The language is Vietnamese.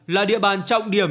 là địa bàn trọng điểm